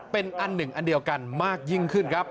เป็นอันหนึ่งอันเดียวกันมากยิ่งขึ้นครับ